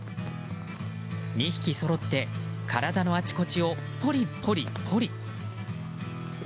２匹そろって体のあちこちをポリポリポリ。